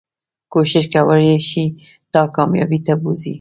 کوښښ کولی شي تا کاميابی ته بوځي